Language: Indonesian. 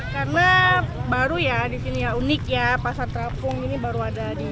karena baru ya di sini unik ya pasar terapung ini baru ada di sini